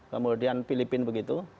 kemudian filipin begitu